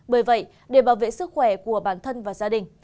bởi vậy để bảo vệ sức khỏe của bản thân và gia đình